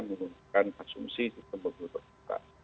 menggunakan asumsi sistem berpenghubungan